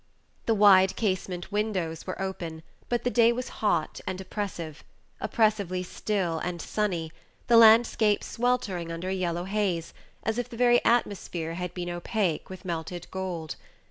The wide casement windows were open, but the day was hot and oppressive oppressively still and sunny; the landscape sweltering under a yellow haze, as if the very atmosphere had been opaque with melted gold.